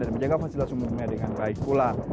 dan menjaga fasilitas umumnya dengan baik pula